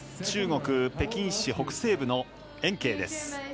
中国・北京市北西部の延慶です。